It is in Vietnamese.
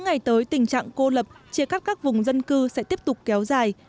ngày tới tình trạng cô lập chia cắt các vùng dân cư sẽ tiếp tục kéo dài